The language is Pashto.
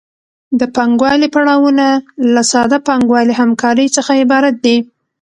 د پانګوالي پړاوونه له ساده پانګوالي همکارۍ څخه عبارت دي